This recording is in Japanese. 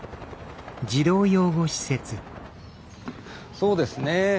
そうですね。